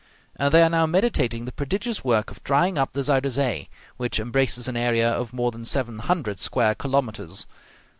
And they are now meditating the prodigious work of drying up the Zuyder Zee, which embraces an area of more than seven hundred square kilometres.